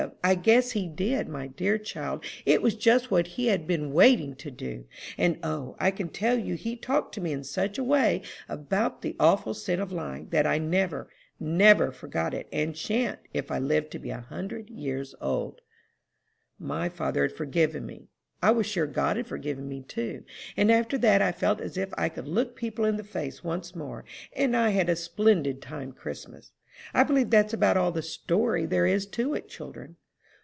I guess he did! My dear child, it was just what he had been waiting to do! And, O, I can tell you he talked to me in such a way about the awful sin of lying, that I never, never forgot it, and shan't, if I live to be a hundred years old." "My father had forgiven me: I was sure God had forgiven me too; and after that, I felt as if I could look people in the face once more, and I had a splendid time Christmas. I believe that's about all the story there is to it, children."